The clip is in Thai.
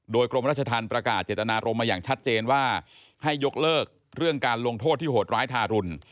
โดยกรมราชธรรมประกาศเจตนารมณ์มาอย่างชัดเจนว่าให้ยกเลิกเรื่องการลงโทษที่โหดร้ายทารุณ